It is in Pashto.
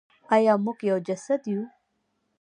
آیا موږ یو جسد یو؟